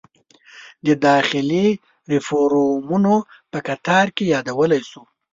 د داخلي ریفورومونو په قطار کې یادولی شو.